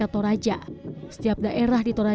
ak collaban dari sebuah anggota